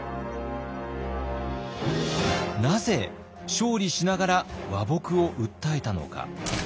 なぜ勝利しながら和睦を訴えたのか？